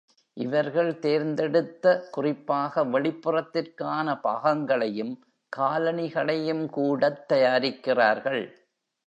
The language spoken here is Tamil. இவர்கள் தேர்ந்தெடுத்த, குறிப்பாக வெளிப்புறத்திற்கான பாகங்களையும் காலணிகளையும்கூடத் தயாரிக்கிறார்கள்.